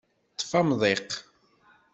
Ṭṭef amḍiq.